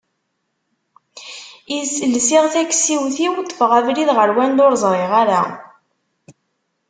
lsiɣ takessiwt-iw ṭfeɣ abrid ɣer wanda ur ẓriɣ ara.